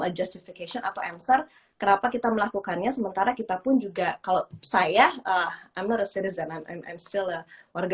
a justification atau answer kenapa kita melakukannya sementara kita pun juga kalau saya amir setelah warga